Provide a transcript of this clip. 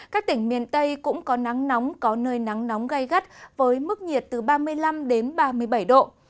các tỉnh miền tây cũng có nắng nóng có nơi nắng nóng gai gắt với mức nhiệt từ ba mươi năm đến ba mươi bảy độ